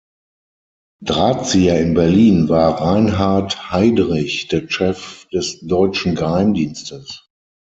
Drahtzieher in Berlin war Reinhard Heydrich, der Chef des deutschen Geheimdienstes.